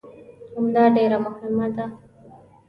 همدا ډېره مهمه ده.